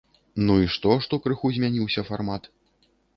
Ну, і што, што крыху змяніўся фармат?